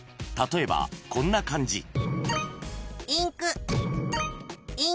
［例えばこんな感じ］